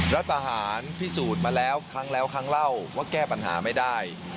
รัฐประหารพิสูจน์มาแล้วครั้งแล้วครั้งเล่าว่าแก้ปัญหาไม่ได้